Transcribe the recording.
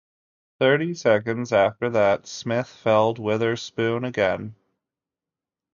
Thirty seconds after that, Smith felled Witherspoon again.